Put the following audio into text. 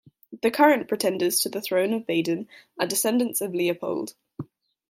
The current pretenders to the throne of Baden are descendants of Leopold.